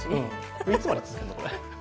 いつまで続くの、これ？